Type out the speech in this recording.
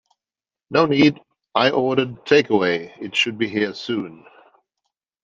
No need, I ordered take away, it should be here soon.